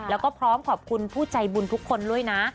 แล้วก็พร้อมขอบคุณผู้ใจบุญทุกคนด้วยนะ